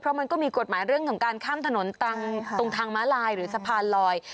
มันก็มีกฎหมายเรื่องของการข้ามถนนตรงทางม้าลายหรือสะพานลอย